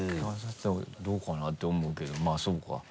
どうかなって思うけどまぁそうか。